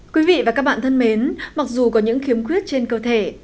quý vị và các bạn thân mến mặc dù có những khiếm khuyết trên cơ thể